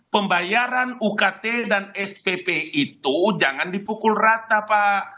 pembayaran ukt dan spp itu jangan dipukul rata pak